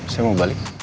saya mau balik